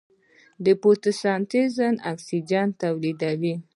د فوټوسنتز اکسیجن تولیدوي.